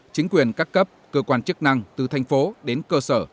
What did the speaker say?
chính quyền các cấp cơ quan chức năng từ thành phố đến cơ sở